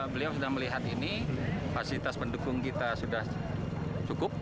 fasilitas pendukung kita sudah cukup